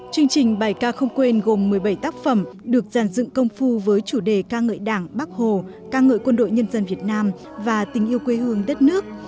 chương trình bài ca không quên gồm một mươi bảy tác phẩm được dàn dựng công phu với chủ đề ca ngợi đảng bắc hồ ca ngợi quân đội nhân dân việt nam và tình yêu quê hương đất nước